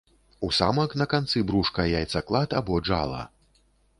У самак на канцы брушка яйцаклад або джала.